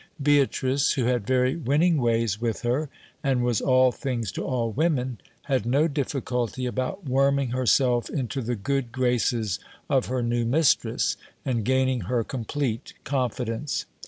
Beatrice, who had very winning ways with her, and was all things to all women, had no difficulty about worming herself into the good graces of her new mistress, and gaining her complete con fidence.